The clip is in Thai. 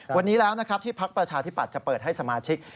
วันนี้แล้วนะครับที่พักประชาธิปัตย์จะเปิดให้สมาชิก